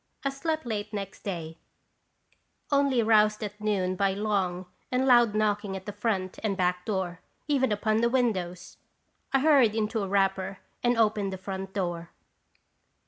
I slept late next day, only roused at noon by long and loud knocking at the front and back door, even upon the windows. I hurried into a wrapper and opened the front door.